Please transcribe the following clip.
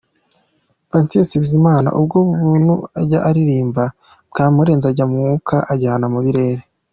Patient Bizimana "Ubwo buntu" ajya aririmba bwamurenze ajya mu Mwuka ajyana mu birere.